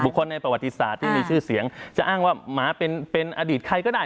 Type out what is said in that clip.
คนในประวัติศาสตร์ที่มีชื่อเสียงจะอ้างว่าหมาเป็นอดีตใครก็ได้